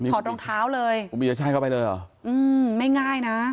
ขอดรองเท้าเลยไม่ง่ายนะ